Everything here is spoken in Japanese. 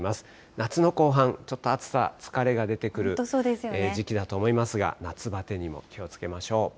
夏の後半、ちょっと暑さ、疲れが出てくる時期だと思いますが、夏バテにも気をつけましょう。